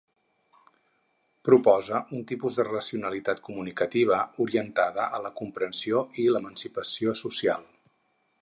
Proposa un tipus de racionalitat comunicativa, orientada a la comprensió i l'emancipació social.